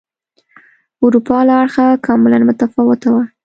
اروپا له اړخه کاملا متفاوته وه.